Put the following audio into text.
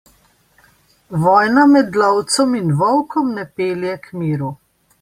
Vojna med lovcem in volkom ne pelje k miru.